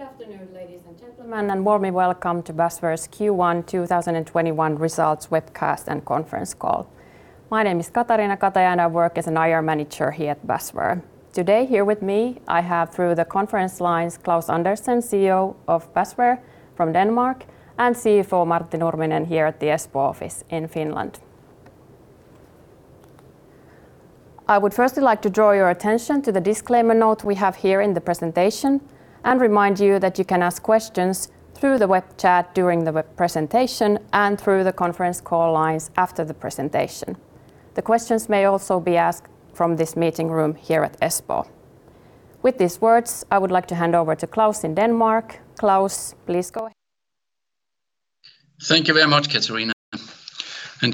Good afternoon, ladies and gentlemen, and warmly welcome to Basware's Q1 2021 results webcast and conference call. My name is Katariina Kataja, and I work as an IR Manager here at Basware. Today, here with me, I have through the conference lines Klaus Andersen, CEO of Basware from Denmark, and CFO Martti Nurminen here at the Espoo office in Finland. I would firstly like to draw your attention to the disclaimer note we have here in the presentation and remind that you can ask questions through the web chat during the web presentation and through the conference call lines after the presentation. The questions may also be asked from this meeting room here at Espoo. With these words, I would like to hand over to Klaus in Denmark. Klaus, please go ahead. Thank you very much, Katariina.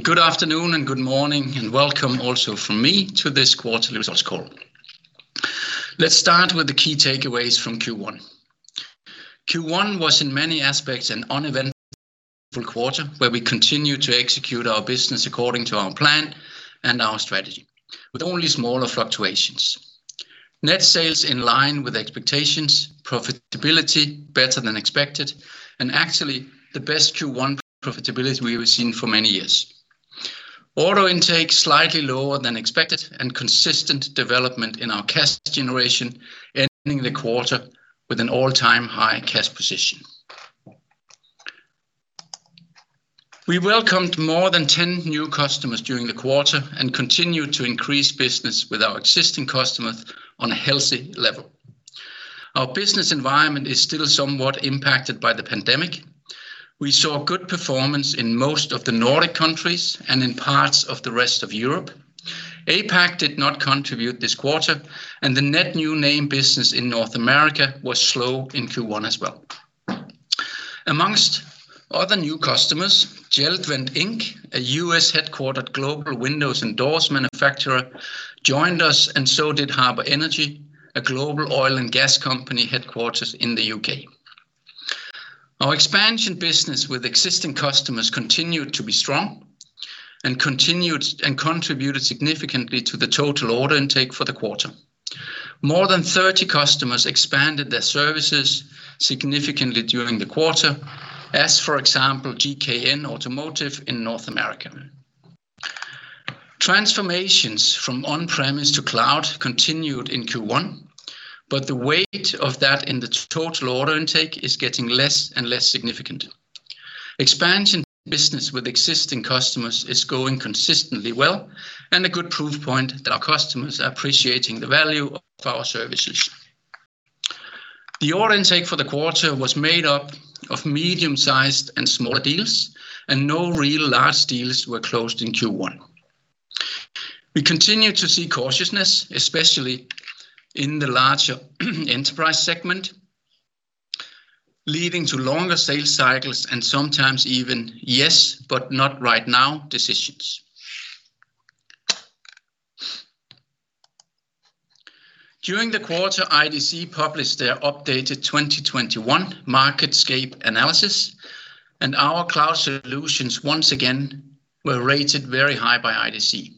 Good afternoon and good morning, and welcome also from me to this quarterly results call. Let's start with the key takeaways from Q1. Q1 was in many aspects an uneventful quarter, where we continued to execute our business according to our plan and our strategy, with only smaller fluctuations. Net sales in line with expectations, profitability better than expected, and actually the best Q1 profitability we've seen for many years. Order intake slightly lower than expected, and consistent development in our cash generation, ending the quarter with an all-time high cash position. We welcomed more than 10 new customers during the quarter and continued to increase business with our existing customers on a healthy level. Our business environment is still somewhat impacted by the pandemic. We saw good performance in most of the Nordic countries and in parts of the rest of Europe. APAC did not contribute this quarter, and the net new name business in North America was slow in Q1 as well. Amongst other new customers, JELD-WEN, Inc., a U.S.-headquartered global windows and doors manufacturer, joined us, and so did Harbour Energy, a global oil and gas company headquartered in the U.K. Our expansion business with existing customers continued to be strong and contributed significantly to the total order intake for the quarter. More than 30 customers expanded their services significantly during the quarter. As for example, GKN Automotive in North America. Transformations from on-premise to cloud continued in Q1. The weight of that in the total order intake is getting less and less significant. Expansion business with existing customers is going consistently well and a good proof point that our customers are appreciating the value of our services. The order intake for the quarter was made up of medium-sized and small deals, and no real large deals were closed in Q1. We continue to see cautiousness, especially in the larger enterprise segment, leading to longer sales cycles and sometimes even yes, but not right now decisions. During the quarter, IDC published their updated 2021 MarketScape analysis. Our cloud solutions once again were rated very high by IDC.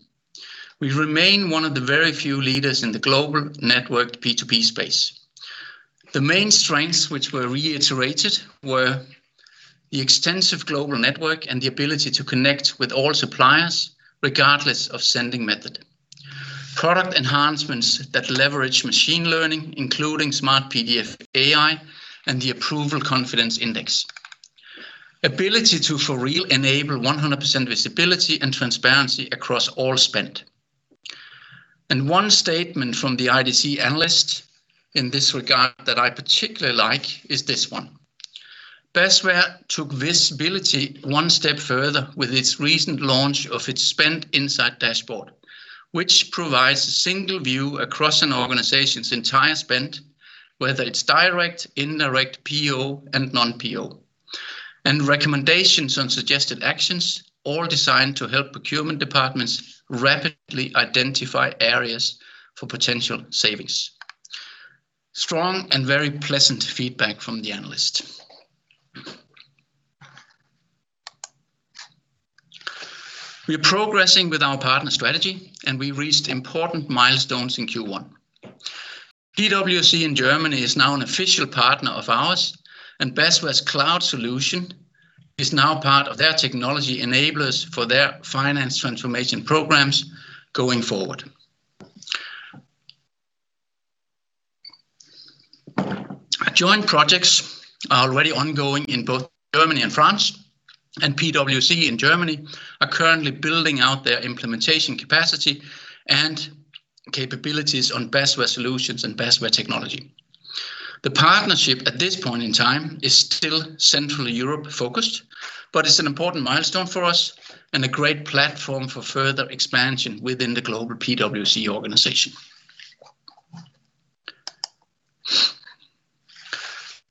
We remain one of the very few leaders in the global networked P2P space. The main strengths which were reiterated were the extensive global network and the ability to connect with all suppliers, regardless of sending method. Product enhancements that leverage machine learning, including SmartPDF AI, and the Approval Confidence Index. Ability to for real enable 100% visibility and transparency across all spend. One statement from the IDC analyst in this regard that I particularly like is this one: "Basware took visibility one step further with its recent launch of its Spend Insights dashboard, which provides a single view across an organization's entire spend, whether it's direct, indirect, PO, and non-PO. Recommendations on suggested actions, all designed to help procurement departments rapidly identify areas for potential savings." Strong and very pleasant feedback from the analyst. We are progressing with our partner strategy. We reached important milestones in Q1. PwC in Germany is now an official partner of ours. Basware's cloud solution is now part of their technology enablers for their finance transformation programs going forward. Joint projects are already ongoing in both Germany and France. PwC in Germany are currently building out their implementation capacity and capabilities on Basware solutions and Basware technology. The partnership at this point in time is still Central Europe-focused, but it's an important milestone for us and a great platform for further expansion within the global PwC organization.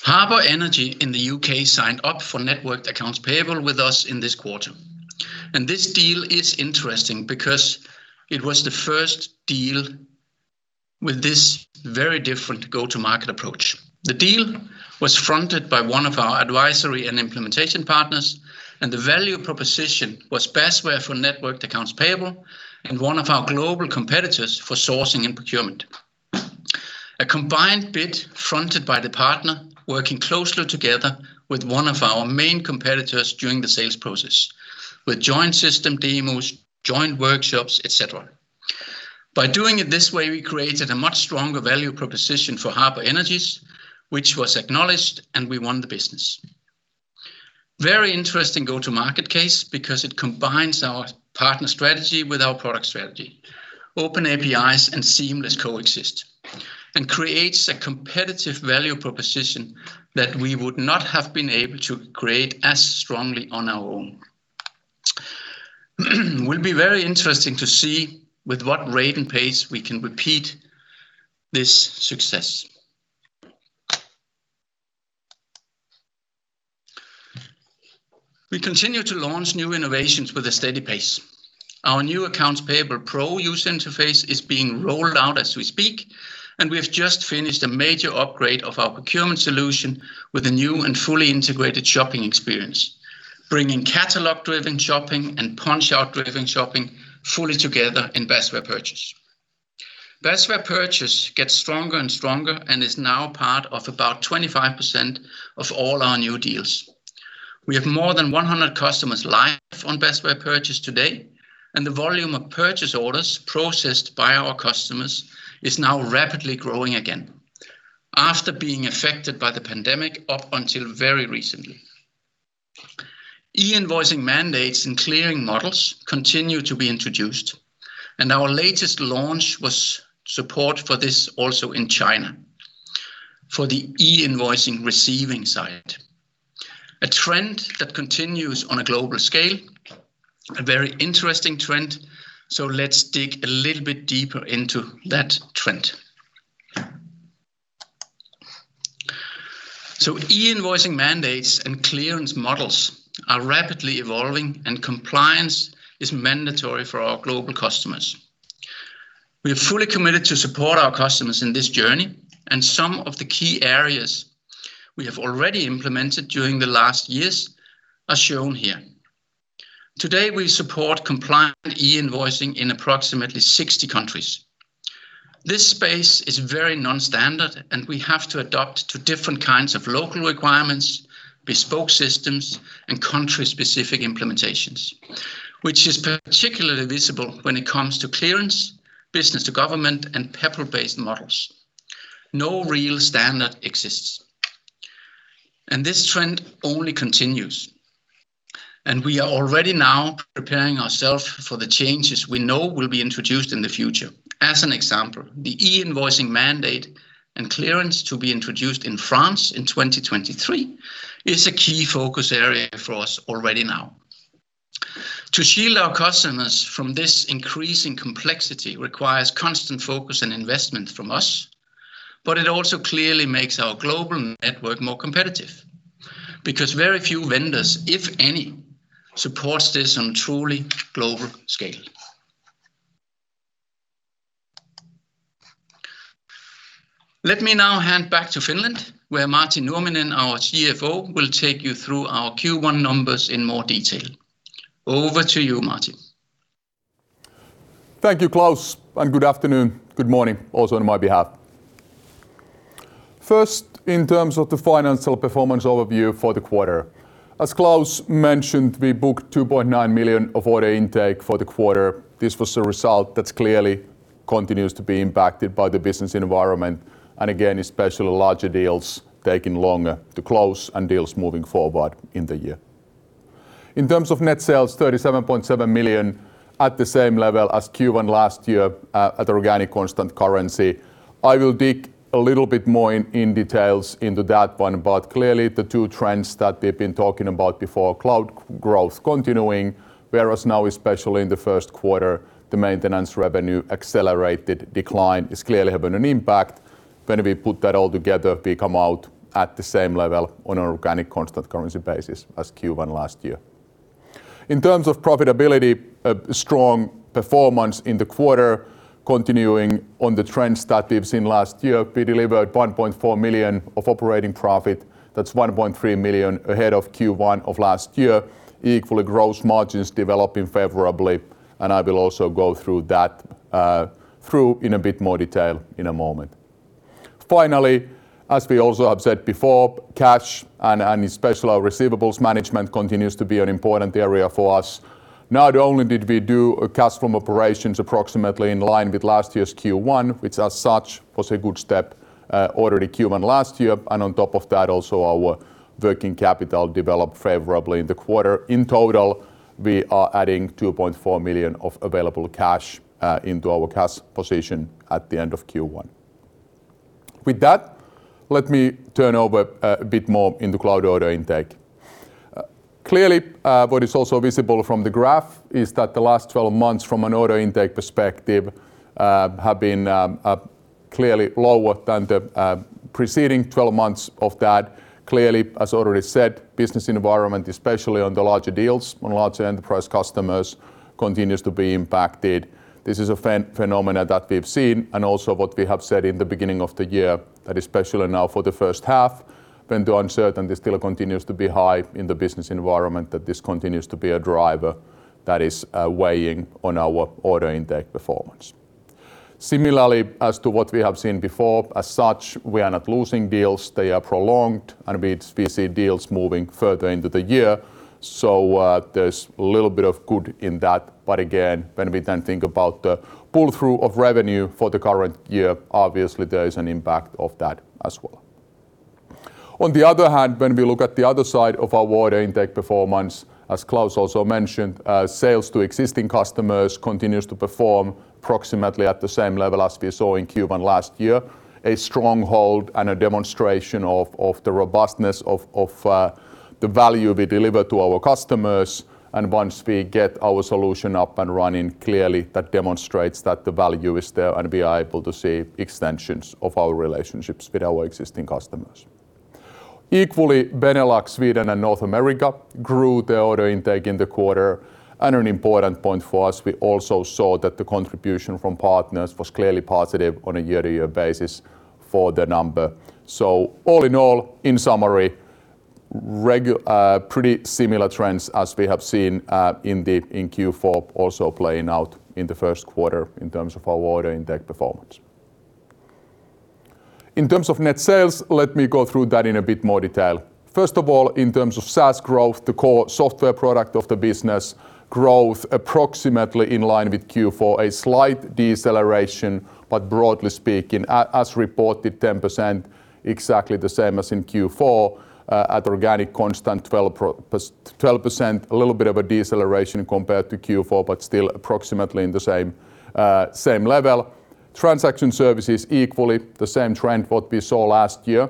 Harbour Energy in the U.K. signed up for networked Accounts Payable with us in this quarter, and this deal is interesting because it was the first deal with this very different go-to market approach. The deal was fronted by one of our advisory and implementation partners, and the value proposition was Basware for networked Accounts Payable and one of our global competitors for sourcing and procurement, a combined bid fronted by the partner working closely together with one of our main competitors during the sales process, with joint system demos, joint workshops, et cetera. By doing it this way, we created a much stronger value proposition for Harbour Energy, which was acknowledged, and we won the business. Very interesting go-to-market case because it combines our partner strategy with our product strategy, open APIs and seamless coexist, and creates a competitive value proposition that we would not have been able to create as strongly on our own. Will be very interesting to see with what rate and pace we can repeat this success. We continue to launch new innovations with a steady pace. Our new Accounts Payable pro-use interface is being rolled out as we speak, and we have just finished a major upgrade of our procurement solution with a new and fully integrated shopping experience. Bringing catalog-driven shopping and punch-out-driven shopping fully together in Basware Purchase. Basware Purchase gets stronger and stronger and is now part of about 25% of all our new deals. We have more than 100 customers live on Basware Purchase today, and the volume of purchase orders processed by our customers is now rapidly growing again after being affected by the pandemic up until very recently. E-invoicing mandates and clearance models continue to be introduced, and our latest launch was support for this also in China for the e-invoicing receiving side. A trend that continues on a global scale, a very interesting trend, so let's dig a little bit deeper into that trend. E-invoicing mandates and clearance models are rapidly evolving, and compliance is mandatory for our global customers. We are fully committed to support our customers in this journey, and some of the key areas we have already implemented during the last years are shown here. Today, we support compliant e-invoicing in approximately 60 countries. This space is very non-standard, and we have to adapt to different kinds of local requirements, bespoke systems, and country-specific implementations, which is particularly visible when it comes to clearance, business to government, and Peppol-based models. No real standard exists. This trend only continues, and we are already now preparing ourselves for the changes we know will be introduced in the future. As an example, the e-invoicing mandate and clearance to be introduced in France in 2023 is a key focus area for us already now. To shield our customers from this increasing complexity requires constant focus and investment from us, but it also clearly makes our global network more competitive because very few vendors, if any, support this on truly global scale. Let me now hand back to Finland, where Martti Nurminen, our CFO, will take you through our Q1 numbers in more detail. Over to you, Martti. Thank you, Klaus, and good afternoon, good morning also on my behalf. First, in terms of the financial performance overview for the quarter. As Klaus mentioned, we booked 2.9 million of order intake for the quarter. This was a result that clearly continues to be impacted by the business environment, and again, especially larger deals taking longer to close and deals moving forward in the year. In terms of net sales, 37.7 million at the same level as Q1 last year at organic constant currency. I will dig a little bit more in details into that one, but clearly the two trends that we've been talking about before, cloud growth continuing, whereas now, especially in the first quarter, the maintenance revenue accelerated decline is clearly having an impact. When we put that all together, we come out at the same level on an organic constant currency basis as Q1 last year. In terms of profitability, a strong performance in the quarter continuing on the trend that we've seen last year. We delivered 1.4 million of operating profit. That's 1.3 million ahead of Q1 of last year. Equally, gross margins developing favorably, I will also go through that through in a bit more detail in a moment. Finally, as we also have said before, cash and especially our receivables management continues to be an important area for us. Not only did we do a cash from operations approximately in line with last year's Q1, which as such was a good step already Q1 last year. On top of that, also our working capital developed favorably in the quarter. In total, we are adding 2.4 million of available cash into our cash position at the end of Q1. With that, let me turn over a bit more into cloud order intake. Clearly, what is also visible from the graph is that the last 12 months from an order intake perspective, have been clearly lower than the preceding 12 months of that. Clearly, as already said, business environment, especially on the larger deals, on larger enterprise customers, continues to be impacted. This is a phenomenon that we've seen and also what we have said in the beginning of the year, that especially now for the first half, when the uncertainty still continues to be high in the business environment, that this continues to be a driver that is weighing on our order intake performance. Similarly, as to what we have seen before, as such, we are not losing deals. They are prolonged. We see deals moving further into the year. There's a little bit of good in that. Again, when we then think about the pull-through of revenue for the current year, obviously, there is an impact of that as well. On the other hand, when we look at the other side of our order intake performance, as Klaus also mentioned, sales to existing customers continues to perform approximately at the same level as we saw in Q1 last year, a stronghold and a demonstration of the robustness of the value we deliver to our customers. Once we get our solution up and running, clearly that demonstrates that the value is there and we are able to see extensions of our relationships with our existing customers. Equally, Benelux, Sweden, and North America grew their order intake in the quarter. An important point for us, we also saw that the contribution from partners was clearly positive on a year-over-year basis for the number. All in all, in summary, pretty similar trends as we have seen in Q4 also playing out in the first quarter in terms of our order intake performance. In terms of net sales, let me go through that in a bit more detail. First of all, in terms of SaaS growth, the core software product of the business growth approximately in line with Q4, a slight deceleration, but broadly speaking, as reported, 10%, exactly the same as in Q4. At organic constant, 12%, a little bit of a deceleration compared to Q4, but still approximately in the same level. Transaction services equally the same trend what we saw last year,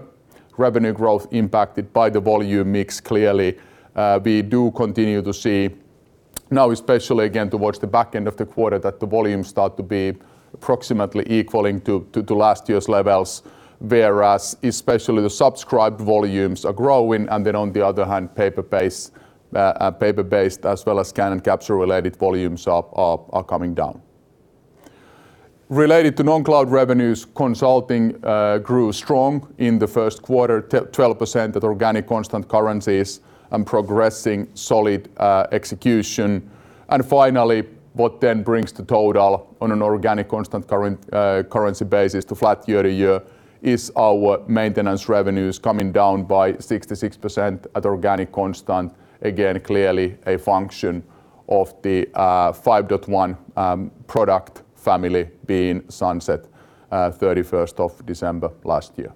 revenue growth impacted by the volume mix. We do continue to see now, especially again towards the back end of the quarter, that the volumes start to be approximately equaling to last year's levels, whereas especially the subscribed volumes are growing, and then on the other hand, paper-based as well as scan and capture-related volumes are coming down. Related to non-cloud revenues, consulting grew strong in the first quarter, 12% at organic constant currencies and progressing solid execution. Finally, what then brings the total on an organic constant currency basis to flat year-over-year is our maintenance revenues coming down by 66% at organic constant. Clearly a function of the 5.1 product family being sunset 31st of December last year.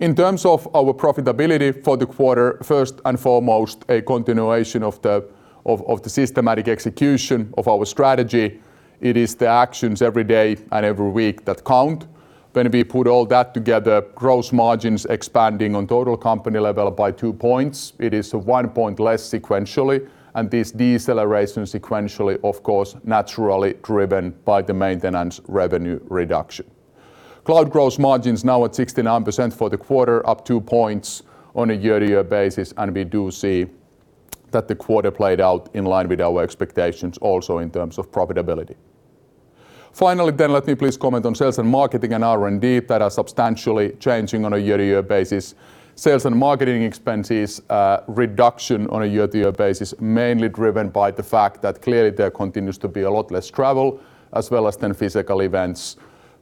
In terms of our profitability for the quarter, first and foremost, a continuation of the systematic execution of our strategy. It is the actions every day and every week that count. When we put all that together, gross margins expanding on total company level by two points. It is 1 point less sequentially. This deceleration sequentially, of course, naturally driven by the maintenance revenue reduction. Cloud gross margins now at 69% for the quarter, up 2 points on a year-over-year basis. We do see that the quarter played out in line with our expectations also in terms of profitability. Finally, let me please comment on sales and marketing and R&D that are substantially changing on a year-over-year basis. Sales and marketing expenses reduction on a year-over-year basis, mainly driven by the fact that clearly there continues to be a lot less travel as well as then physical events.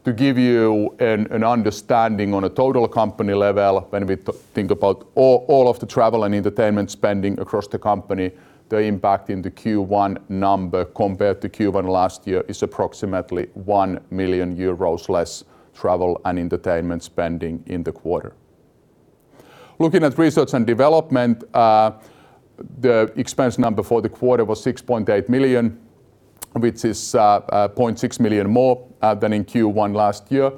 To give you an understanding on a total company level, when we think about all of the travel and entertainment spending across the company, the impact in the Q1 number compared to Q1 last year is approximately 1 million euros less travel and entertainment spending in the quarter. Looking at research and development, the expense number for the quarter was 6.8 million, which is 0.6 million more than in Q1 last year.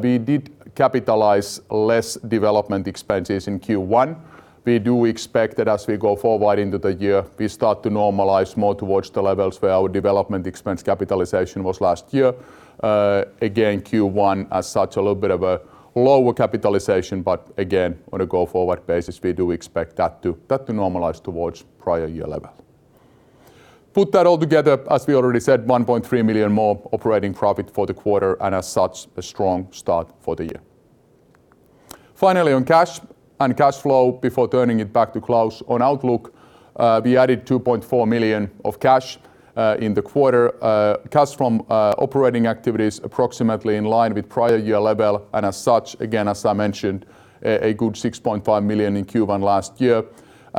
We did capitalize less development expenses in Q1. We do expect that as we go forward into the year, we start to normalize more towards the levels where our development expense capitalization was last year. Again, Q1 as such, a little bit of a lower capitalization, but again, on a go-forward basis, we do expect that to normalize towards prior year level. Put that all together, as we already said, 1.3 million more operating profit for the quarter, and as such, a strong start for the year. Finally, on cash and cash flow before turning it back to Klaus on outlook, we added 2.4 million of cash in the quarter. Cash from operating activities approximately in line with prior year level, and as such, again, as I mentioned, a good 6.5 million in Q1 last year.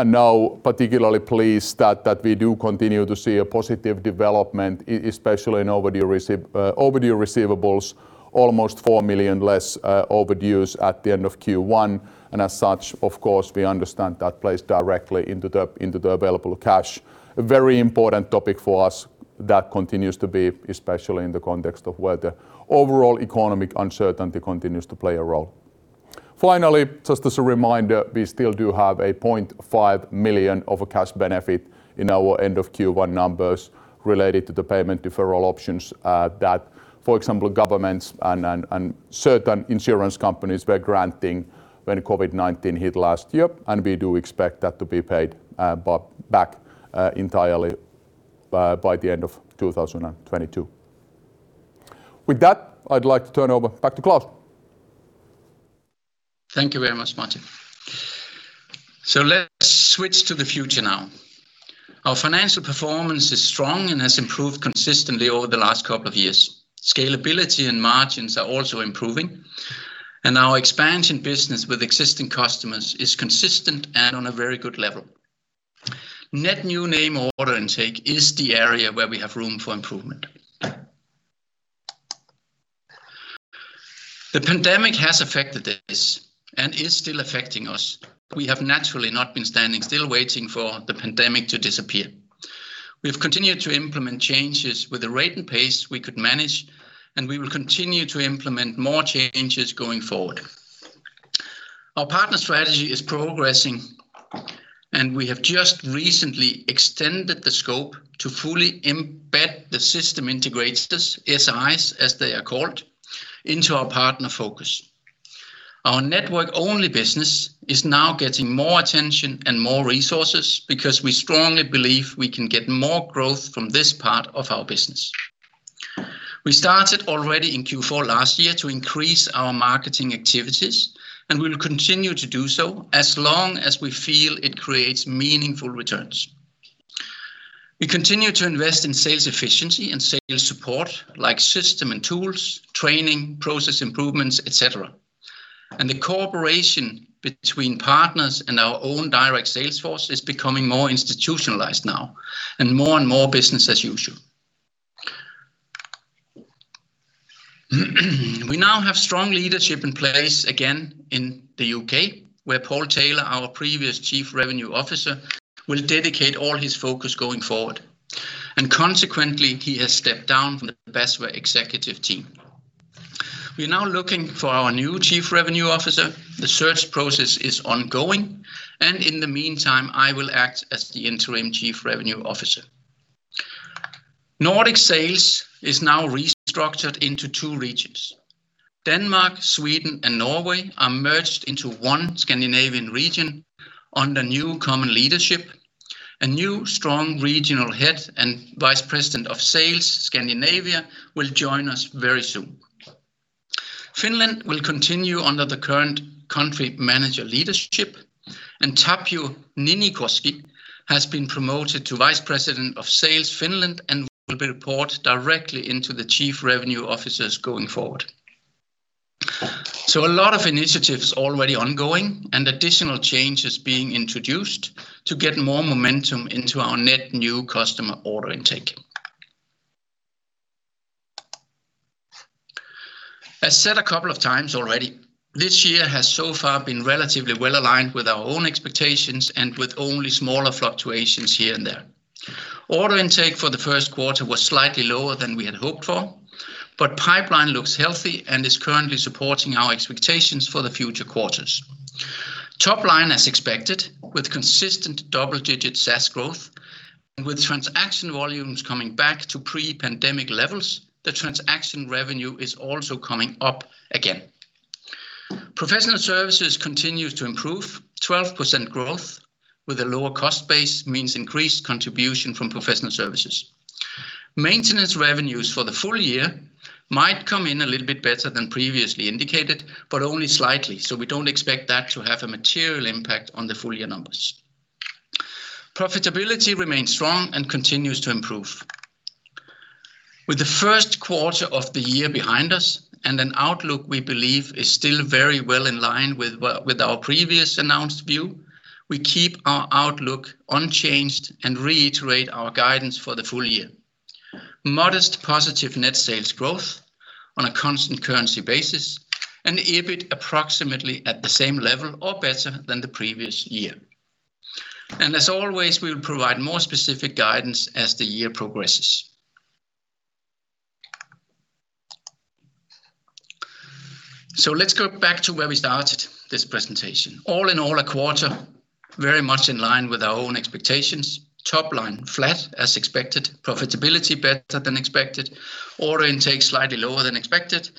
Now particularly pleased that we do continue to see a positive development, especially in overdue receivables, almost 4 million less overdues at the end of Q1. As such, of course, we understand that plays directly into the available cash. A very important topic for us that continues to be, especially in the context of where the overall economic uncertainty continues to play a role. Just as a reminder, we still do have a 0.5 million of a cash benefit in our end of Q1 numbers related to the payment deferral options that, for example, governments and certain insurance companies were granting when COVID-19 hit last year, and we do expect that to be paid back entirely by the end of 2022. With that, I'd like to turn over back to Klaus. Thank you very much, Martti. Let's switch to the future now. Our financial performance is strong and has improved consistently over the last couple of years. Scalability and margins are also improving, and our expansion business with existing customers is consistent and on a very good level. Net new name order intake is the area where we have room for improvement. The pandemic has affected this and is still affecting us. We have naturally not been standing still waiting for the pandemic to disappear. We've continued to implement changes with the rate and pace we could manage, and we will continue to implement more changes going forward. Our partner strategy is progressing, and we have just recently extended the scope to fully embed the system integrators, SIs as they are called, into our partner focus. Our network-only business is now getting more attention and more resources because we strongly believe we can get more growth from this part of our business. We started already in Q4 last year to increase our marketing activities. We'll continue to do so as long as we feel it creates meaningful returns. We continue to invest in sales efficiency and sales support, like system and tools, training, process improvements, et cetera. The cooperation between partners and our own direct sales force is becoming more institutionalized now and more and more business as usual. We now have strong leadership in place again in the U.K., where Paul Taylor, our previous Chief Revenue Officer, will dedicate all his focus going forward. Consequently, he has stepped down from the Basware executive team. We are now looking for our new Chief Revenue Officer. The search process is ongoing, and in the meantime, I will act as the Interim Chief Revenue Officer. Nordic sales is now restructured into two regions. Denmark, Sweden, and Norway are merged into one Scandinavian region under new common leadership. A new, strong regional head and Vice President of Sales Scandinavia will join us very soon. Finland will continue under the current country manager leadership, and Tapio Niinikoski has been promoted to Vice President of Sales Finland and will report directly into the Chief Revenue Officers going forward. A lot of initiatives already ongoing and additional changes being introduced to get more momentum into our net new customer order intake. As said a couple of times already, this year has so far been relatively well-aligned with our own expectations and with only smaller fluctuations here and there. Order intake for the first quarter was slightly lower than we had hoped for, but pipeline looks healthy and is currently supporting our expectations for the future quarters. Top line as expected, with consistent double-digit SaaS growth and with transaction volumes coming back to pre-pandemic levels, the transaction revenue is also coming up again. Professional services continues to improve. 12% growth with a lower cost base means increased contribution from professional services. Maintenance revenues for the full year might come in a little bit better than previously indicated, but only slightly, so we don't expect that to have a material impact on the full year numbers. Profitability remains strong and continues to improve. With the first quarter of the year behind us and an outlook we believe is still very well in line with our previously announced view, we keep our outlook unchanged and reiterate our guidance for the full year. Modest positive net sales growth on a constant currency basis and EBIT approximately at the same level or better than the previous year. As always, we'll provide more specific guidance as the year progresses. Let's go back to where we started this presentation. All in all, a quarter very much in line with our own expectations. Top line, flat as expected. Profitability, better than expected. Order intake, slightly lower than expected.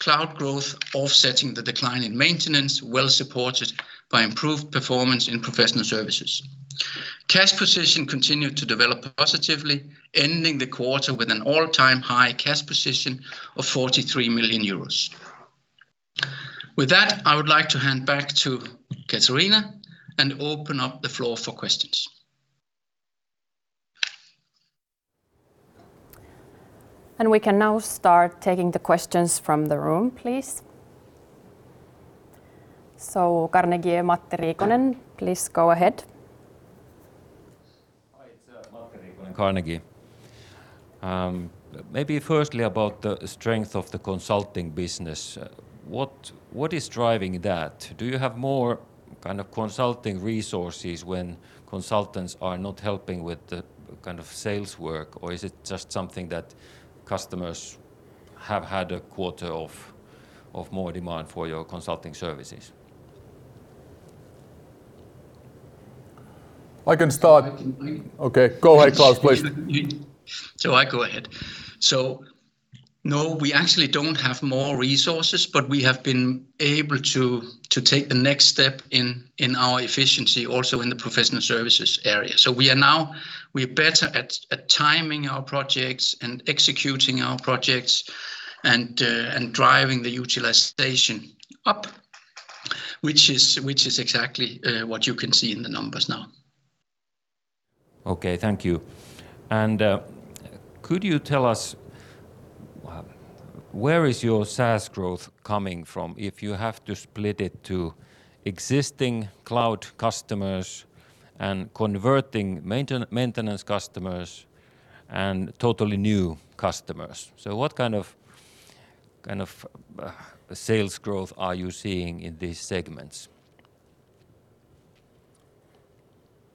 Cloud growth offsetting the decline in maintenance, well supported by improved performance in professional services. Cash position continued to develop positively, ending the quarter with an all-time high cash position of 43 million euros. With that, I would like to hand back to Katariina and open up the floor for questions. We can now start taking the questions from the room, please. Carnegie, Matti Riikonen, please go ahead. Hi. It's Matti Riikonen, Carnegie. Maybe firstly, about the strength of the consulting business, what is driving that? Do you have kind of consulting resources when consultants are not helping with the kind of sales work, or is it just something that customers have had a quarter of more demand for your consulting services? I can start. I can start. Okay. Go ahead, Klaus, please. No, we actually don't have more resources, but we have been able to take the next step in our efficiency also in the professional services area. We are now better at timing our projects and executing our projects and driving the utilization up, which is exactly what you can see in the numbers now. Okay. Thank you. Could you tell us where is your SaaS growth coming from? If you have to split it to existing cloud customers and converting maintenance customers and totally new customers. What kind of sales growth are you seeing in these segments?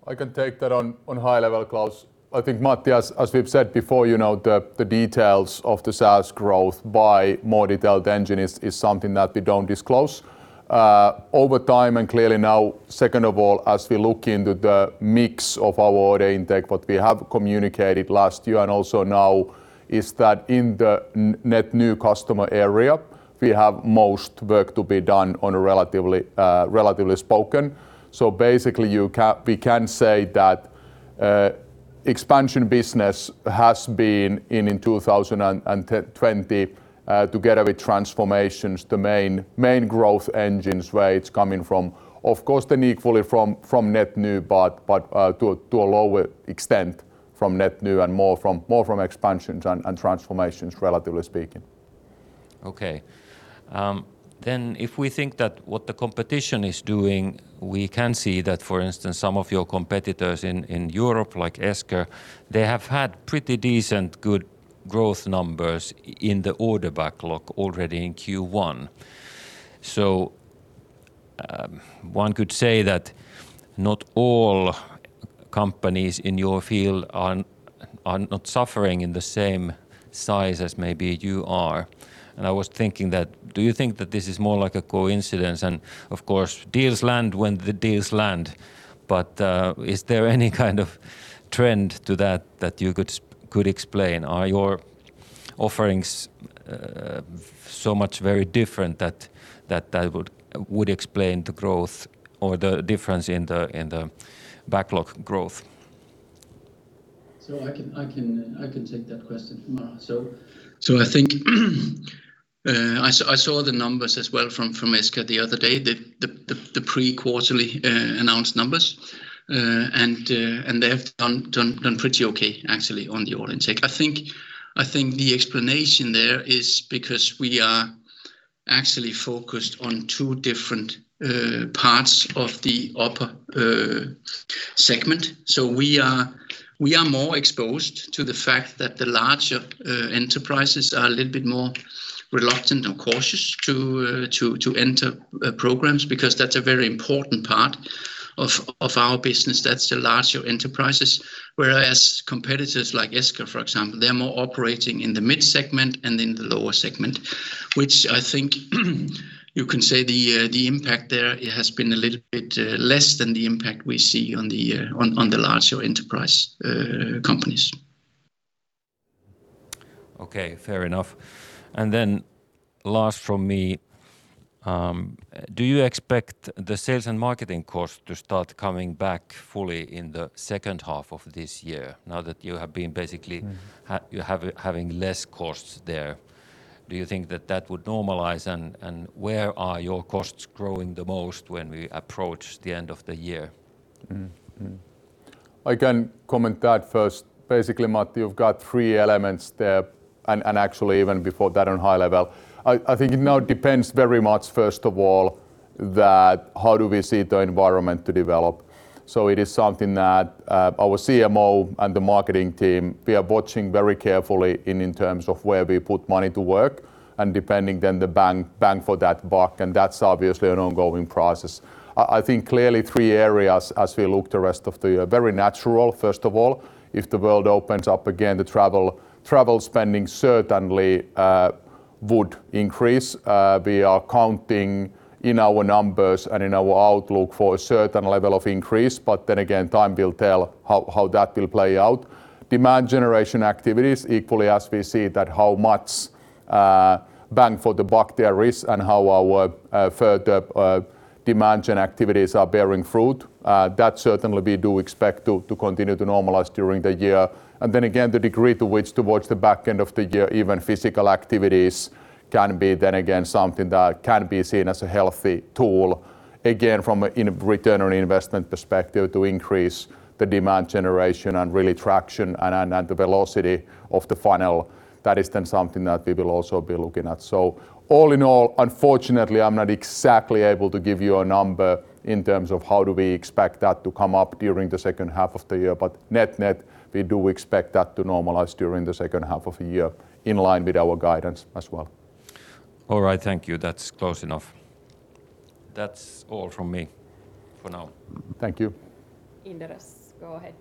I can take that on a high level, Klaus. I think, Matti, as we've said before, the details of the SaaS growth by more detailed engine is something that we don't disclose. Over time, and clearly now second of all, as we look into the mix of our order intake, what we have communicated last year and also now is that in the net new customer area, we have most work to be done on a relatively spoken. Basically, we can say that expansion business has been in 2020 together with transformations, the main growth engines, where it's coming from. Of course, equally from net new, but to a lower extent from net new and more from expansions and transformations relatively speaking. Okay. If we think that what the competition is doing, we can see that, for instance, some of your competitors in Europe, like Esker, they have had pretty decent, good growth numbers in the order backlog already in Q1. One could say that not all companies in your field are not suffering in the same size as maybe you are. I was thinking that do you think that this is more like a coincidence and, of course, deals land when the deals land, but is there any kind of trend to that that you could explain? Are your offerings so much very different that that would explain the growth or the difference in the backlog growth? I can take that question. I think I saw the numbers as well from Esker the other day, the pre-quarterly announced numbers. They have done pretty okay actually on the order intake. I think the explanation there is because we are actually focused on two different parts of the upper segment. We are more exposed to the fact that the larger enterprises are a little bit more reluctant or cautious to enter programs, because that's a very important part of our business. That's the larger enterprises. Whereas competitors like Esker, for example, they're more operating in the mid segment and in the lower segment, which I think you can say the impact there has been a little bit less than the impact we see on the larger enterprise companies. Okay. Fair enough. Last from me, do you expect the sales and marketing costs to start coming back fully in the second half of this year, now that you have been basically having less costs there? Do you think that that would normalize, and where are your costs growing the most when we approach the end of the year? I can comment that first. Basically, Matti, you've got three elements there, and actually even before that on a high level. I think it now depends very much, first of all, that how do we see the environment to develop. It is something that our CMO and the marketing team, we are watching very carefully in terms of where we put money to work and depending then the bang for that buck, and that's obviously an ongoing process. I think clearly three areas as we look the rest of the year. Very natural, first of all, if the world opens up again, the travel spending certainly would increase. We are counting in our numbers and in our outlook for a certain level of increase. Then again, time will tell how that will play out. Demand generation activities, equally as we see that how much bang for the buck there is and how our further demand gen activities are bearing fruit. That certainly we do expect to continue to normalize during the year. The degree to which towards the back end of the year, even physical activities can be then again something that can be seen as a healthy tool, again, from a return on investment perspective to increase the demand generation and really traction and the velocity of the funnel. That is then something that we will also be looking at. Unfortunately, I'm not exactly able to give you a number in terms of how do we expect that to come up during the second half of the year. Net-net, we do expect that to normalize during the second half of the year in line with our guidance as well. All right. Thank you. That's close enough. That's all from me for now. Thank you. Inderes, go ahead. Thank you. Hi, it's Sandeep from Inderes.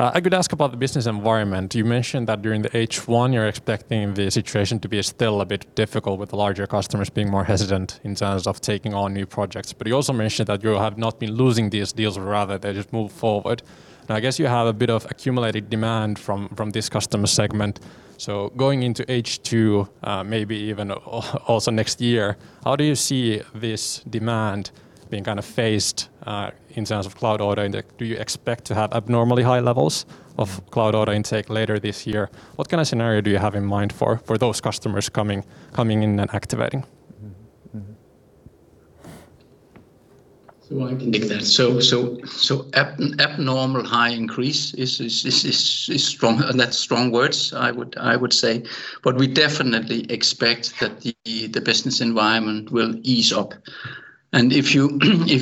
I could ask about the business environment. You mentioned that during the H1, you're expecting the situation to be still a bit difficult with the larger customers being more hesitant in terms of taking on new projects. You also mentioned that you have not been losing these deals, rather they just move forward. I guess you have a bit of accumulated demand from this customer segment. Going into H2, maybe even also next year, how do you see this demand being phased, in terms of cloud order intake? Do you expect to have abnormally high levels of cloud order intake later this year? What kind of scenario do you have in mind for those customers coming in and activating? I can take that. Abnormal high increase, that's strong words, I would say. We definitely expect that the business environment will ease up. If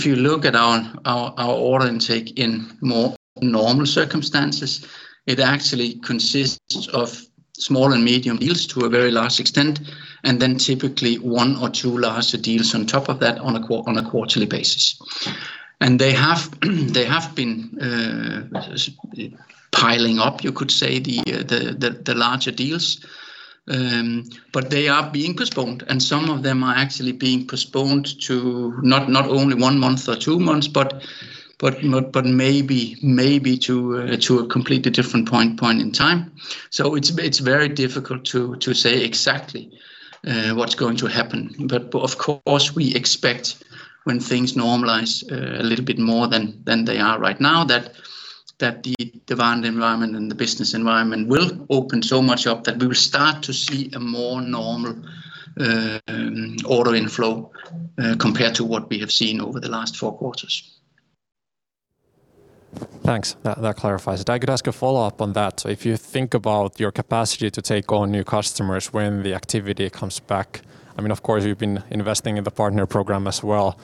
you look at our order intake in more normal circumstances, it actually consists of small and medium deals to a very large extent, and then typically one or two larger deals on top of that on a quarterly basis. They have been piling up, you could say, the larger deals. They are being postponed, and some of them are actually being postponed to not only one month or two months, but maybe to a completely different point in time. It's very difficult to say exactly what's going to happen. Of course, we expect when things normalize a little bit more than they are right now, that the demand environment and the business environment will open so much up that we will start to see a more normal order inflow compared to what we have seen over the last four quarters. Thanks. That clarifies it. I could ask a follow-up on that. If you think about your capacity to take on new customers when the activity comes back, of course, you've been investing in the partner program as well.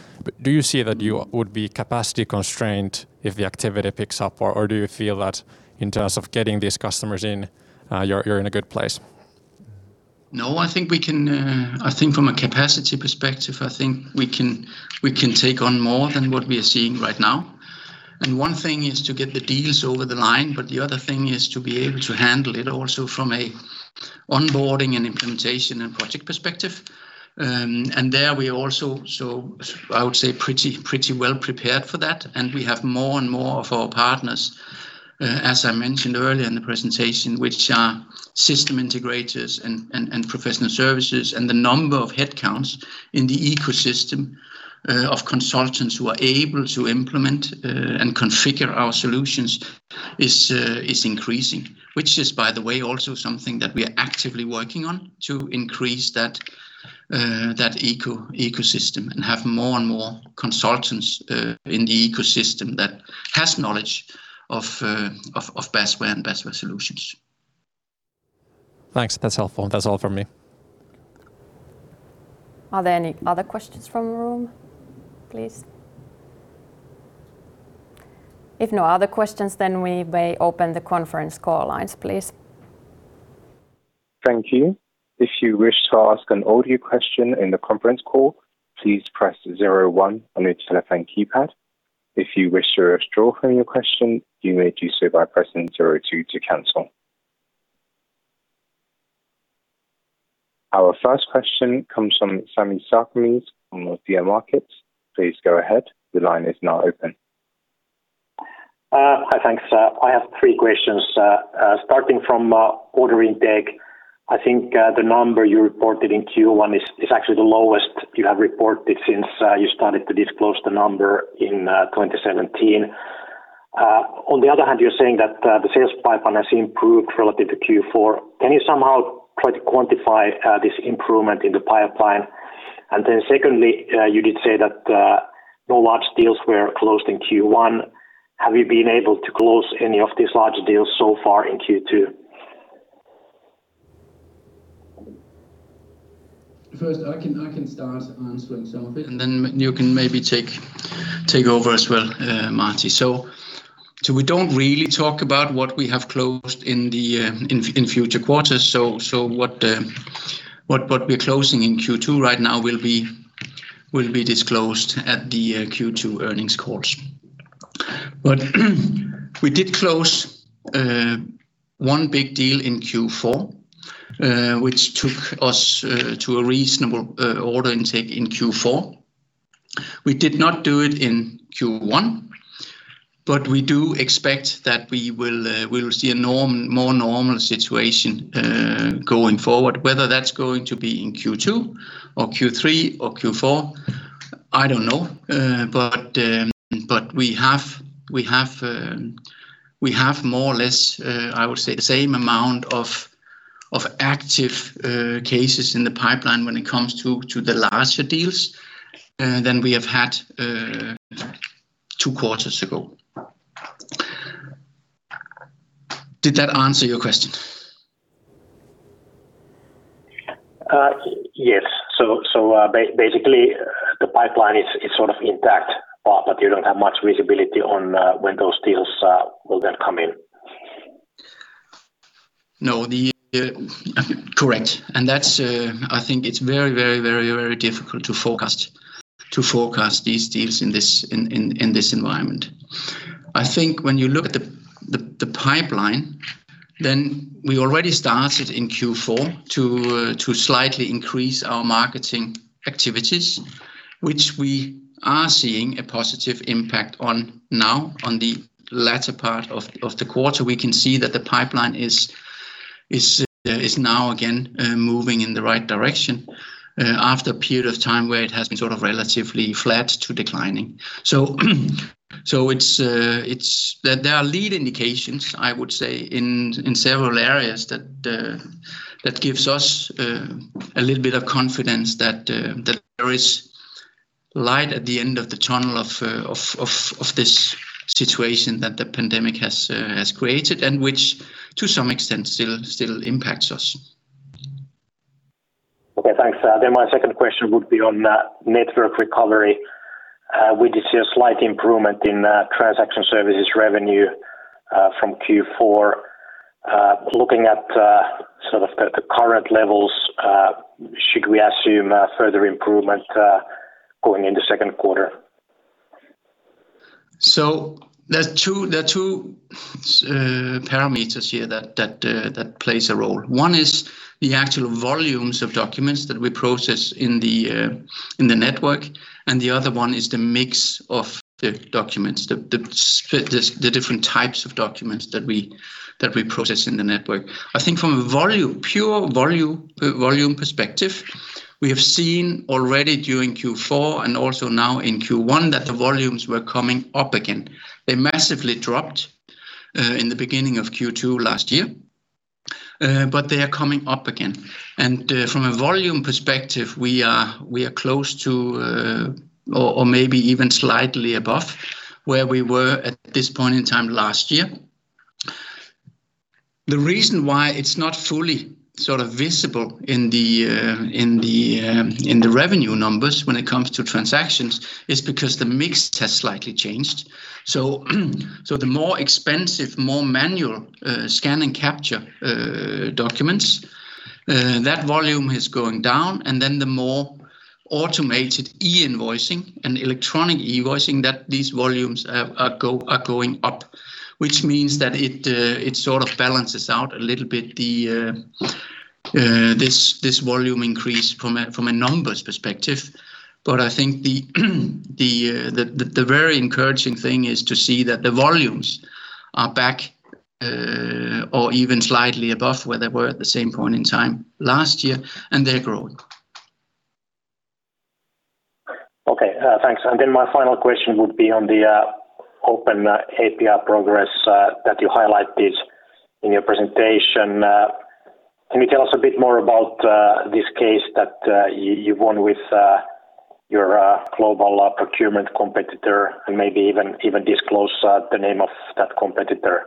Do you see that you would be capacity constrained if the activity picks up, or do you feel that in terms of getting these customers in, you're in a good place? No, I think from a capacity perspective, I think we can take on more than what we are seeing right now. One thing is to get the deals over the line, but the other thing is to be able to handle it also from an onboarding and implementation and project perspective. There we are also, I would say, pretty well prepared for that. We have more and more of our partners, as I mentioned earlier in the presentation, which are system integrators and professional services. The number of headcounts in the ecosystem of consultants who are able to implement and configure our solutions is increasing. Which is, by the way, also something that we are actively working on to increase that ecosystem and have more and more consultants in the ecosystem that has knowledge of Basware and Basware solutions. Thanks. That's helpful. That's all from me. Are there any other questions from the room, please? If no other questions, we may open the conference call lines, please. Thank you. If you wish to ask an audio question in the conference call please press zero one in your telephone keypad. If you wish to withdraw your question you may do so by pressing zero two to canlcel. Our first question comes from Sami Sarkamies from Nordea Markets. Hi, thanks. I have three questions. Starting from order intake, I think the number you reported in Q1 is actually the lowest you have reported since you started to disclose the number in 2017. On the other hand, you're saying that the sales pipeline has improved relative to Q4. Can you somehow try to quantify this improvement in the pipeline? Secondly, you did say that no large deals were closed in Q1. Have you been able to close any of these large deals so far in Q2? I can start answering some of it, and then you can maybe take over as well, Marty. We don't really talk about what we have closed in future quarters. What we're closing in Q2 right now will be disclosed at the Q2 earnings course. We did close one big deal in Q4, which took us to a reasonable order intake in Q4. We did not do it in Q1, we do expect that we will see a more normal situation going forward. Whether that's going to be in Q2 or Q3 or Q4, I don't know. We have more or less, I would say, the same amount of active cases in the pipeline when it comes to the larger deals than we have had two quarters ago. Did that answer your question? Yes. Basically, the pipeline is sort of intact, but you don't have much visibility on when those deals will then come in. No. Correct. I think it's very difficult to forecast these deals in this environment. I think when you look at the pipeline, we already started in Q4 to slightly increase our marketing activities, which we are seeing a positive impact on now on the latter part of the quarter. We can see that the pipeline is now again moving in the right direction after a period of time where it has been sort of relatively flat to declining. There are lead indications, I would say, in several areas that gives us a little bit of confidence that there is light at the end of the tunnel of this situation that the pandemic has created, and which to some extent still impacts us. Okay, thanks. My second question would be on network recovery. We did see a slight improvement in transaction services revenue from Q4. Looking at sort of the current levels, should we assume further improvement going in the second quarter? There are two parameters here that plays a role. One is the actual volumes of documents that we process in the network, and the other one is the mix of the documents, the different types of documents that we process in the network. I think from a pure volume perspective, we have seen already during Q4 and also now in Q1, that the volumes were coming up again. They massively dropped in the beginning of Q2 last year, but they are coming up again. From a volume perspective, we are close to, or maybe even slightly above where we were at this point in time last year. The reason why it's not fully sort of visible in the revenue numbers when it comes to transactions is because the mix has slightly changed. The more expensive, more manual scan and capture documents, that volume is going down, the more automated e-invoicing and electronic e-invoicing, these volumes are going up, which means that it sort of balances out a little bit, this volume increase from a numbers perspective. I think the very encouraging thing is to see that the volumes are back, or even slightly above where they were at the same point in time last year, and they're growing. Okay, thanks. My final question would be on the open API progress that you highlighted in your presentation. Can you tell us a bit more about this case that you won with your global procurement competitor, and maybe even disclose the name of that competitor?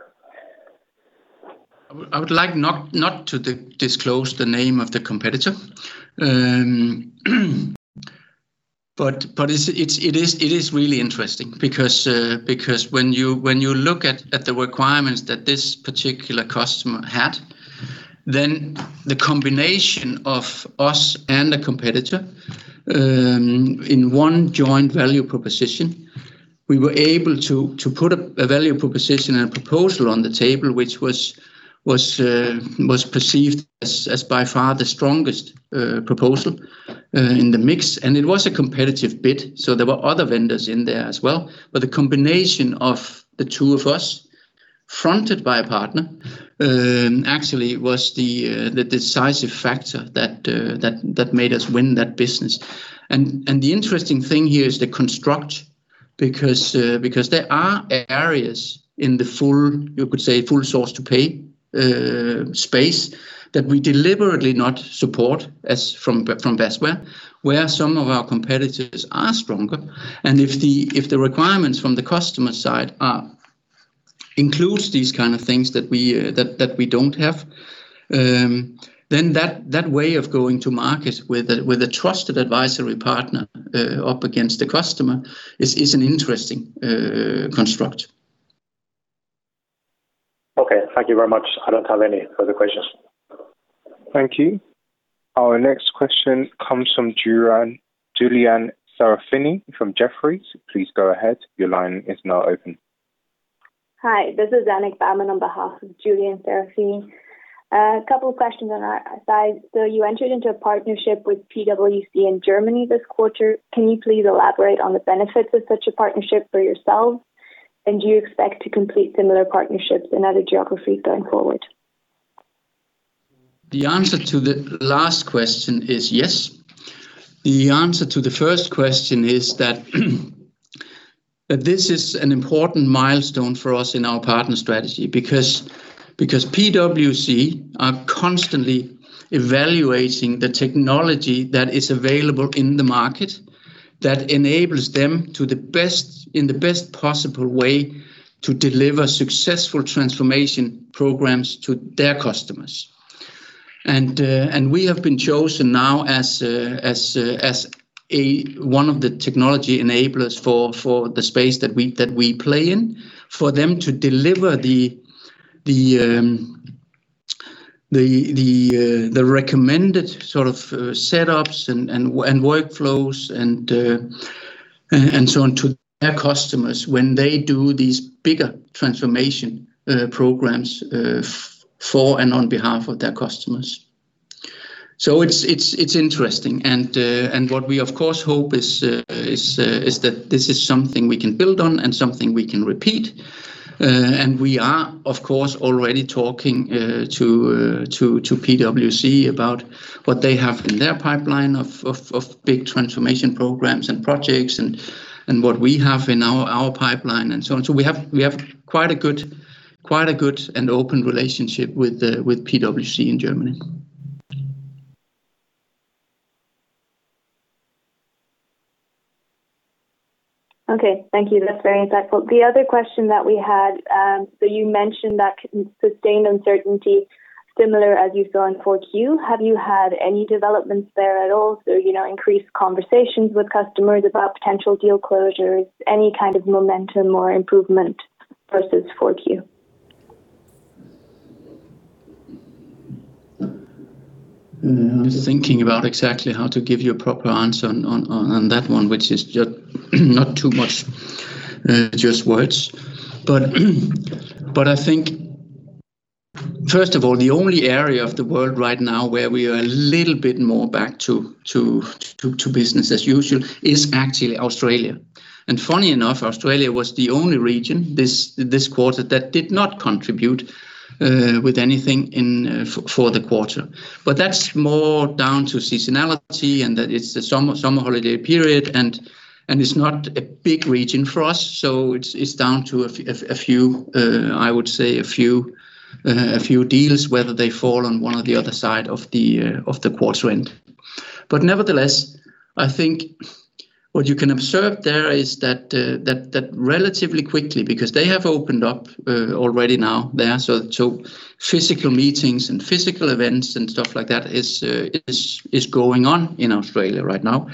I would like not to disclose the name of the competitor. It is really interesting because when you look at the requirements that this particular customer had, then the combination of us and a competitor in one joint value proposition, we were able to put a value proposition and a proposal on the table, which was perceived as by far the strongest proposal in the mix. It was a competitive bid, so there were other vendors in there as well. The combination of the two of us fronted by a partner, actually was the decisive factor that made us win that business. The interesting thing here is the construct, because there are areas in the, you could say, full source to pay space that we deliberately not support as from Basware, where some of our competitors are stronger. If the requirements from the customer side includes these kind of things that we don't have, then that way of going to market with a trusted advisory partner up against the customer is an interesting construct. Okay, thank you very much. I don't have any further questions. Thank you. Our next question comes from Julian Serafini from Jefferies. Please go ahead. Your line is now open. Hi, this is Anik Bauman on behalf of Julian Serafini. A couple of questions on our side. You entered into a partnership with PwC in Germany this quarter. Can you please elaborate on the benefits of such a partnership for yourselves? And do you expect to complete similar partnerships in other geographies going forward? The answer to the last question is yes. The answer to the first question is that this is an important milestone for us in our partner strategy, because PwC are constantly evaluating the technology that is available in the market that enables them in the best possible way to deliver successful transformation programs to their customers. We have been chosen now as one of the technology enablers for the space that we play in, for them to deliver the recommended sort of setups and workflows, and so on, to their customers when they do these bigger transformation programs for and on behalf of their customers. What we, of course, hope is that this is something we can build on and something we can repeat. We are, of course, already talking to PwC about what they have in their pipeline of big transformation programs and projects, and what we have in our pipeline, and so on. We have quite a good and open relationship with PwC in Germany. Okay. Thank you. That's very insightful. The other question that we had, you mentioned that sustained uncertainty, similar as you saw in Q4, have you had any developments there at all? Increased conversations with customers about potential deal closures, any kind of momentum or improvement versus Q4? I'm thinking about exactly how to give you a proper answer on that one, which is just not too much just words. I think, first of all, the only area of the world right now where we are a little bit more back to business as usual is actually Australia. Funny enough, Australia was the only region this quarter that did not contribute with anything for the quarter. That's more down to seasonality and that it's the summer holiday period, and it's not a big region for us. It's down to, I would say, a few deals, whether they fall on one or the other side of the quarter end. Nevertheless, I think what you can observe there is that relatively quickly, because they have opened up already now there, so physical meetings and physical events and stuff like that is going on in Australia right now.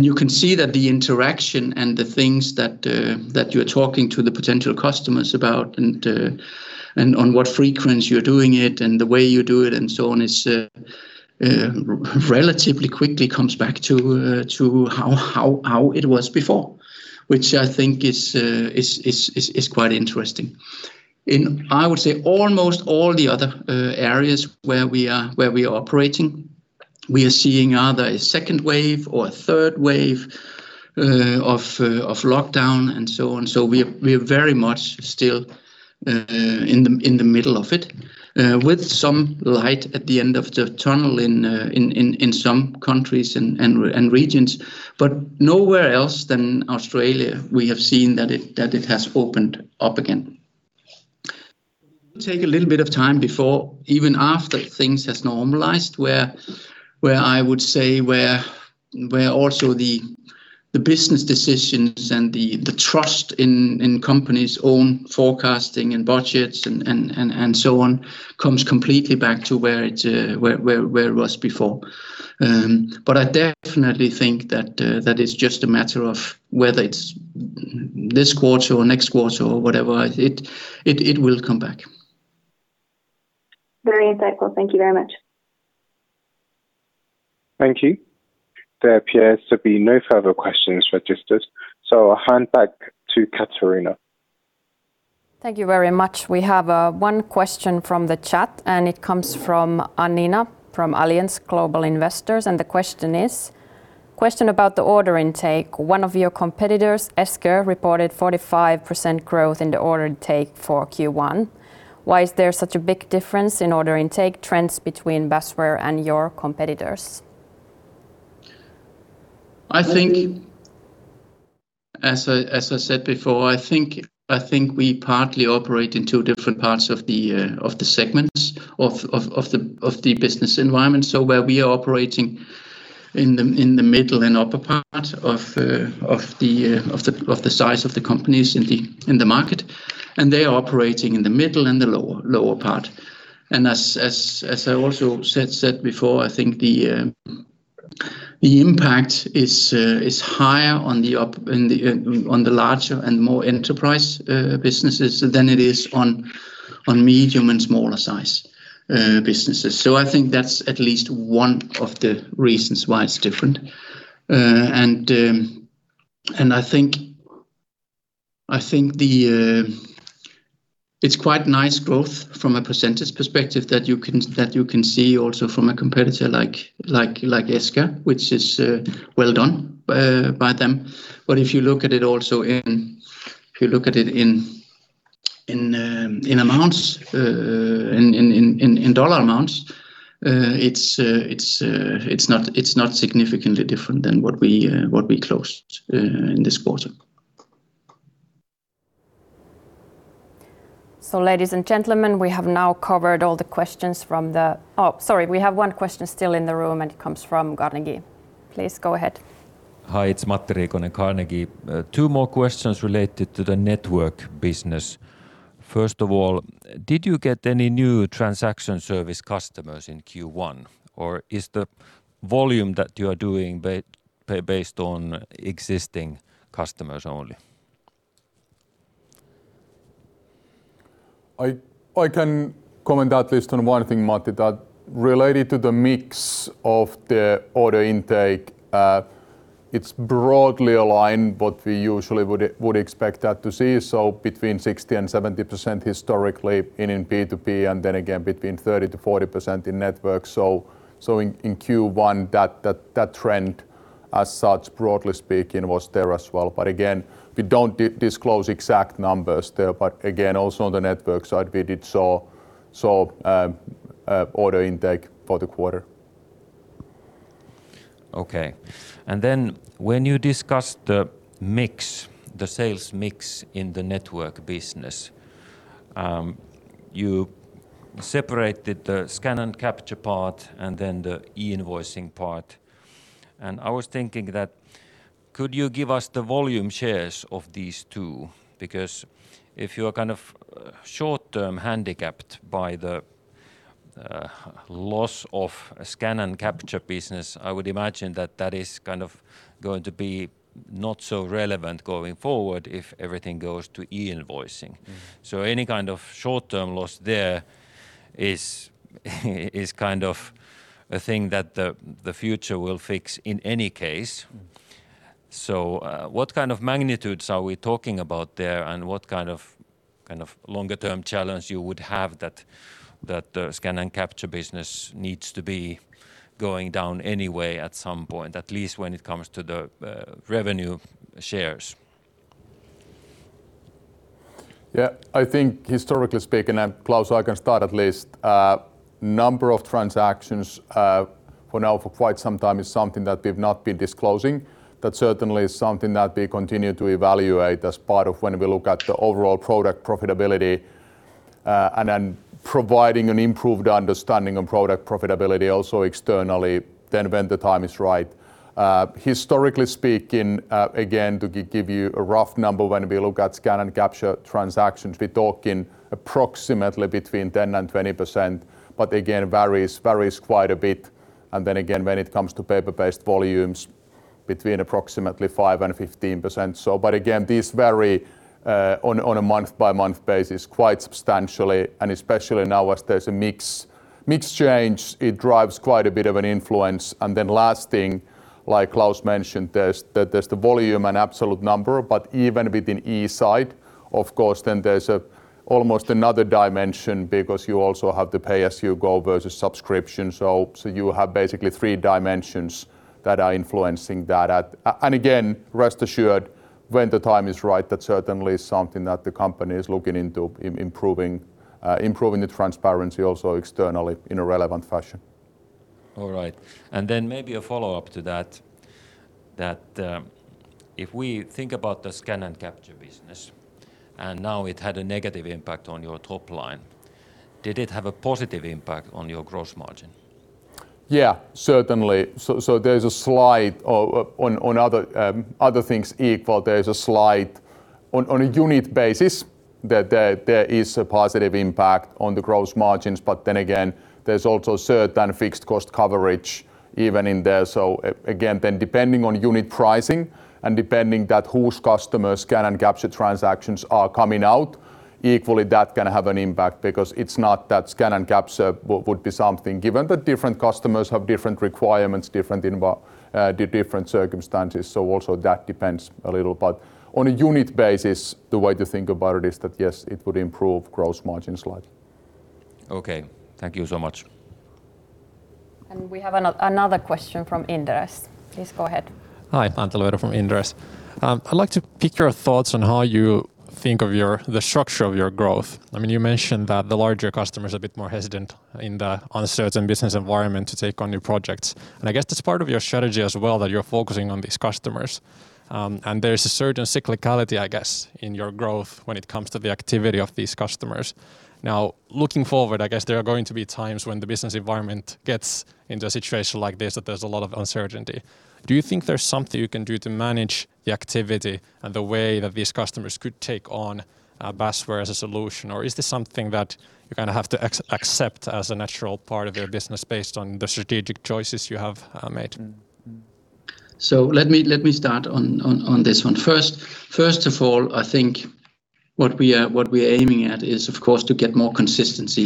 You can see that the interaction and the things that you're talking to the potential customers about, and on what frequency you're doing it and the way you do it and so on, is relatively quickly comes back to how it was before. Which I think is quite interesting. In, I would say, almost all the other areas where we are operating, we are seeing either a second wave or a third wave of lockdown and so on. We are very much still in the middle of it, with some light at the end of the tunnel in some countries and regions, but nowhere else than Australia we have seen that it has opened up again. It will take a little bit of time before, even after things has normalized, where I would say where also the business decisions and the trust in companies' own forecasting and budgets and so on comes completely back to where it was before. I definitely think that is just a matter of whether it's this quarter or next quarter or whatever, it will come back. Very insightful. Thank you very much. Thank you. There appears to be no further questions registered, so I hand back to Katariina. Thank you very much. We have one question from the chat, and it comes from Annina from Allianz Global Investors, and the question is: Question about the order intake. One of your competitors, Esker, reported 45% growth in the order intake for Q1. Why is there such a big difference in order intake trends between Basware and your competitors? I think, as I said before, I think we partly operate in two different parts of the segments of the business environment. Where we are operating in the middle and upper part of the size of the companies in the market, and they are operating in the middle and the lower part. As I also said before, I think the impact is higher on the larger and more enterprise businesses than it is on medium and smaller size businesses. I think that's at least one of the reasons why it's different. I think it's quite nice growth from a percentage perspective that you can see also from a competitor like Esker, which is well done by them. If you look at it also in amounts, in EUR amounts, it's not significantly different than what we closed in this quarter. Ladies and gentlemen, we have now covered all the questions. Sorry, we have one question still in the room, and it comes from Carnegie. Please go ahead. Hi, it's Matti Riikonen, Carnegie. Two more questions related to the network business. First of all, did you get any new transaction service customers in Q1, or is the volume that you are doing based on existing customers only? I can comment at least on one thing, Matti. That related to the mix of the order intake, it's broadly aligned, what we usually would expect that to see, between 60% and 70% historically in B2B, and then again between 30%-40% in network. In Q1, that trend as such, broadly speaking, was there as well. Again, we don't disclose exact numbers there. Again, also on the network side, we did saw order intake for the quarter. Okay. Then when you discussed the sales mix in the network business, you separated the scan and capture part, and then the e-invoicing part. I was thinking that could you give us the volume shares of these two? Because if you're kind of short-term handicapped by the loss of scan and capture business, I would imagine that that is going to be not so relevant going forward if everything goes to e-invoicing. Any kind of short-term loss there is kind of a thing that the future will fix in any case. What kind of magnitudes are we talking about there, and what kind of longer term challenge you would have that the scan and capture business needs to be going down anyway at some point, at least when it comes to the revenue shares? I think historically speaking, Klaus, I can start at least, number of transactions, for now for quite some time is something that we've not been disclosing. That certainly is something that we continue to evaluate as part of when we look at the overall product profitability, then providing an improved understanding on product profitability also externally, then when the time is right. Historically speaking, again, to give you a rough number when we look at scan and capture transactions, we're talking approximately between 10% and 20%, but again, varies quite a bit. Again, when it comes to paper-based volumes, between approximately five and 15%. Again, these vary on a month-by-month basis quite substantially, and especially now as there's a mix change, it drives quite a bit of an influence. Last thing, like Klaus mentioned, there's the volume and absolute number. Even within e-side, of course, then there's almost another dimension because you also have the pay-as-you-go versus subscription. You have basically three dimensions that are influencing that. Again, rest assured when the time is right, that's certainly something that the company is looking into improving the transparency also externally in a relevant fashion. All right. Then maybe a follow-up to that, if we think about the scan and capture business, and now it had a negative impact on your top line, did it have a positive impact on your gross margin? Yeah, certainly. There's a slide on other things equal. There's a slide on a unit basis that there is a positive impact on the gross margins. Again, there's also certain fixed cost coverage even in there. Again, depending on unit pricing and depending that whose customer scan and capture transactions are coming out, equally that's going to have an impact because it's not that scan and capture would be something given, but different customers have different requirements, different circumstances. Also that depends a little. On a unit basis, the way to think about it is that, yes, it would improve gross margin slightly. Okay. Thank you so much. We have another question from Inderes. Please go ahead. Hi, Antti Luiro from Inderes. I'd like to pick your thoughts on how you think of the structure of your growth. You mentioned that the larger customer is a bit more hesitant in the uncertain business environment to take on new projects. I guess that's part of your strategy as well, that you're focusing on these customers. There is a certain cyclicality, I guess, in your growth when it comes to the activity of these customers. Now, looking forward, I guess there are going to be times when the business environment gets into a situation like this, that there's a lot of uncertainty. Do you think there is something you can do to manage the activity and the way that these customers could take on Basware as a solution, or is this something that you kind of have to accept as a natural part of your business based on the strategic choices you have made? Let me start on this one. First of all, I think what we're aiming at is, of course, to get more consistency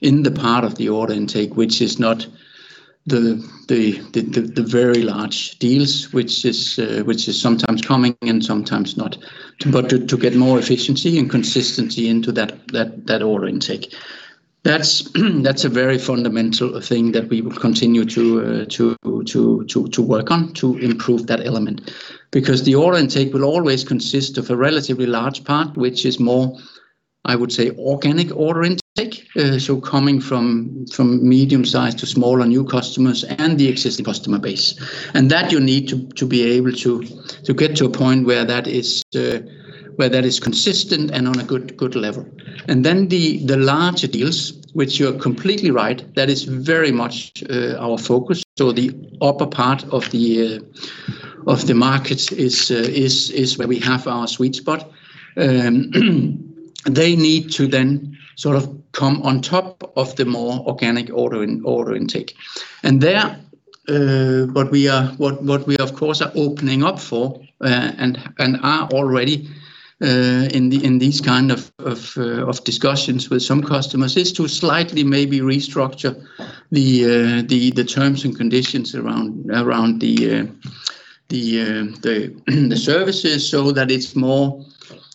in the part of the order intake, which is not the very large deals, which is sometimes coming and sometimes not. But to get more efficiency and consistency into that order intake. That's a very fundamental thing that we will continue to work on to improve that element. Because the order intake will always consist of a relatively large part, which is more, I would say, organic order intake. So coming from medium-sized to small and new customers and the existing customer base. And that you need to be able to get to a point where that is consistent and on a good level. And then the larger deals, which you're completely right, that is very much our focus. The upper part of the markets is where we have our sweet spot. They need to then come on top of the more organic order intake. There, what we, of course, are opening up for, and are already in these kind of discussions with some customers, is to slightly maybe restructure the terms and conditions around the services so that it's more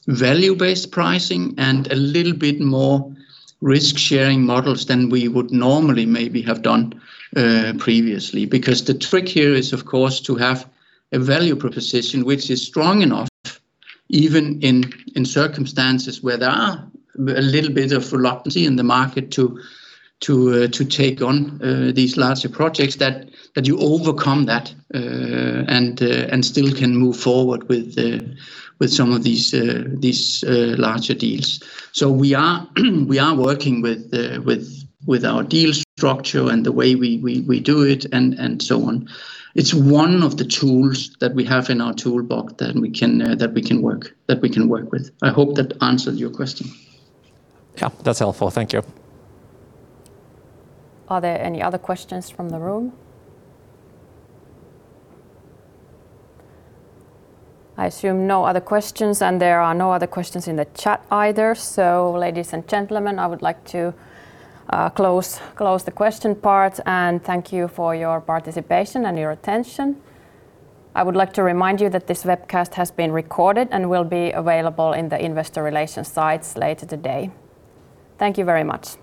value-based pricing and a little bit more risk-sharing models than we would normally maybe have done previously. The trick here is, of course, to have a value proposition which is strong enough, even in circumstances where there are a little bit of reluctance in the market to take on these larger projects, that you overcome that and still can move forward with some of these larger deals. We are working with our deal structure and the way we do it and so on. It's one of the tools that we have in our toolbox that we can work with. I hope that answered your question. Yeah. That's helpful. Thank you. Are there any other questions from the room? I assume no other questions, and there are no other questions in the chat either. Ladies and gentlemen, I would like to close the question part and thank you for your participation and your attention. I would like to remind you that this webcast has been recorded and will be available in the investor relations sites later today. Thank you very much.